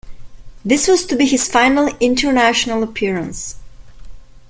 This was to be his final international appearance.